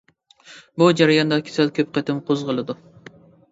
بۇ جەرياندا كېسەل كۆپ قېتىم قوزغىلىدۇ.